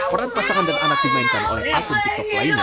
orang pasangan dengan anak dimainkan oleh akun tiktok lainnya